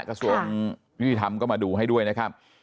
กระทรวงยุติธรรมก็มาดูให้ด้วยนะครับ